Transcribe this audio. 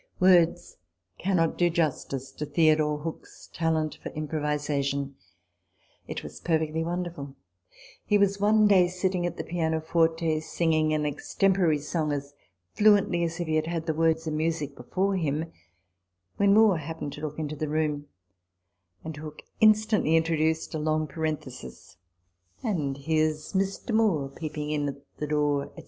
Words cannot do justice to Theodore Hook's talent for improvisation : it was perfectly wonder ful. He was one day sitting at the pianoforte, singing an extempore song as fluently as if he had had the words and music before him, when Moore happened to look into the room, and Hook instantly introduced a long parenthesis, " And here's Mr. Moore, Peeping in at the door," &c.